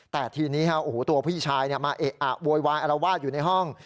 แต่ทีนี้ตัวพี่ชายมาเอะอะโวยวายอารวาสอยู่ในห้อง